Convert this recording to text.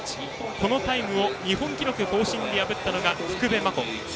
このタイムを日本記録更新で破ったのが福部真子です。